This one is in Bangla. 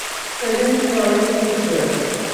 সেদিন তিনি অনেক তীর ছুড়েন।